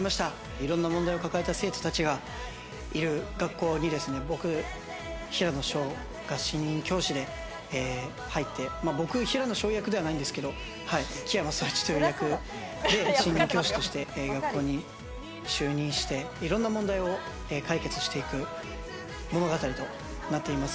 いろんな問題を抱えた生徒たちがいる学校に僕、平野紫耀が新任教師で入って、僕は平野紫耀役ではないんですけど、樹山蒼一という役で新米教師として学校に就任して、いろんな問題を解決していく物語となっています。